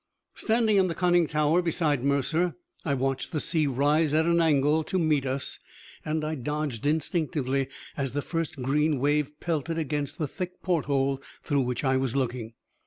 Standing in the conning tower beside Mercer, I watched the sea rise at an angle to meet us, and I dodged instinctively as the first green wave pelted against the thick porthole through which I was looking.